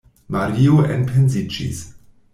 Mario enpensiĝis.